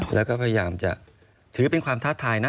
แล้วก็พยายามจะถือเป็นความท้าทายนะ